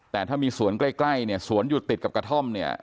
แต่ถ้ามีสวนใกล้เนี่ยสวนอยู่ติดกับกระท่อมเนี่ย